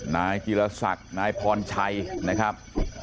นายจิลศักดิ์นายพรชัยนะครับ